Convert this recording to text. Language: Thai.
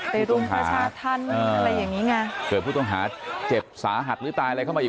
รุมประชาธรรมอะไรอย่างนี้ไงเกิดผู้ต้องหาเจ็บสาหัสหรือตายอะไรเข้ามาอีก